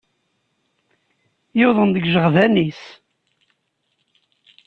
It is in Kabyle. Yuḍen deg yijeɣdan-is.